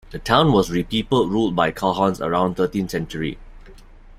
The town was re-peopled ruled by Chauhans around thirteenth century.